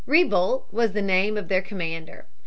Ribault (Re' bo') was the name of their commander.